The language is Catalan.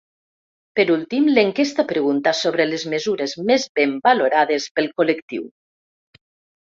Per últim, l’enquesta pregunta sobre les mesures més ben valorades pel col·lectiu.